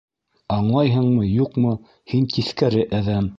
Аңлайһыңмы, юҡмы һин, тиҫкәре әҙәм!